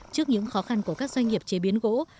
trước những khó khăn của các doanh nghiệp chế biến gỗ